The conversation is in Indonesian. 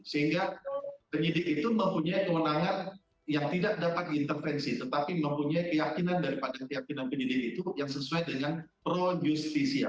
sehingga penyidik itu mempunyai kewenangan yang tidak dapat intervensi tetapi mempunyai keyakinan daripada keyakinan penyidik itu yang sesuai dengan pro justisia